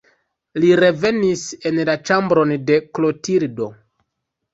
Li revenis en la ĉambron de Klotildo.